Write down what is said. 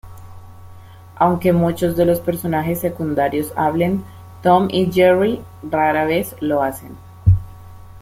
Aunque muchos de los personajes secundarios hablen, Tom y Jerry rara vez lo hacen.